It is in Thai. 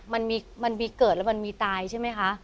มันมีเกิดแล้วมันมีตายใช่ไหมคะ